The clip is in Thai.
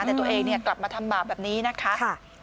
แต่ตัวเองกลับมาทำบาปแบบนี้นะคะ